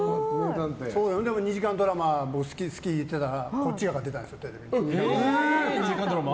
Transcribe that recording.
でも２時間ドラマも好き好き言ってたらこっちが出たんですよ。